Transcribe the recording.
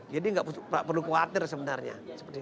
jadi nggak perlu khawatir sebenarnya